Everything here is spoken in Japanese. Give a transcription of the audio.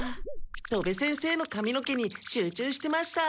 戸部先生の髪の毛に集中してました。